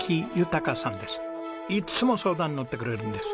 いつも相談にのってくれるんです。